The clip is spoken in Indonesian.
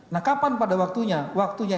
nah kapan pada waktunya